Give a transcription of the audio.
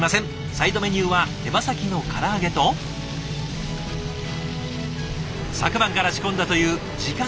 サイドメニューは手羽先のから揚げと昨晩から仕込んだという自家製チャーシュー。